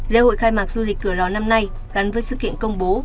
lễ hội khai mạc du lịch cửa lò năm nay gắn với sự kiện công bố